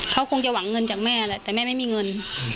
เขาคงจะหวังเงินจากแม่แหละแต่แม่ไม่มีเงิน